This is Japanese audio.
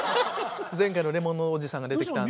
前回の「Ｌｅｍｏｎ」のおじさんが出てきた。